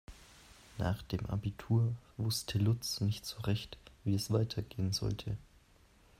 Nach dem Abitur wusste Lutz nicht so recht, wie es weitergehen sollte.